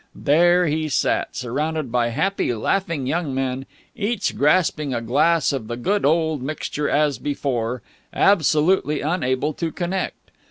There he sat, surrounded by happy, laughing young men, each grasping a glass of the good old mixture as before, absolutely unable to connect.